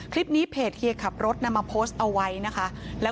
คลิปนี้เพจเฮียดขับรถนำมาไว้นะคะ